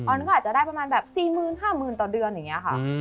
มันก็อาจจะได้ประมาณแบบ๔๕๐๐๐ต่อเดือนอย่างนี้ค่ะ